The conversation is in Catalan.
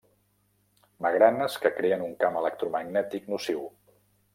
Magranes que creen un camp electromagnètic nociu.